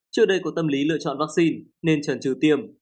trước đây có tâm lý lựa chọn vaccine nên trần trừ tiêm